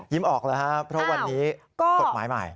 ออกแล้วครับเพราะวันนี้กฎหมายใหม่